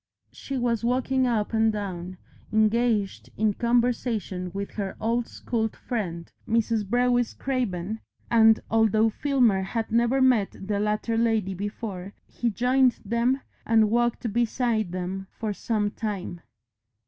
She was walking up and down, engaged in conversation with her old school friend, Mrs. Brewis Craven, and although Filmer had never met the latter lady before, he joined them and walked beside them for some time.